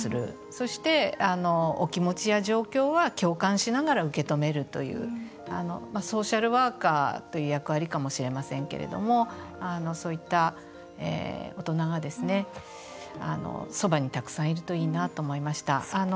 そして、お気持ちや状況は共感しながら受け止めるというソーシャルワーカーという役割かもしれませんけどそういった大人がそばにたくさんいるといいなと思いました。